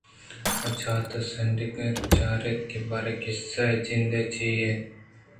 آچات ءِ سُنٹک ءَ اتک ءُ چار یتے کہ باریں قصّہ ءِ جند چی اِنت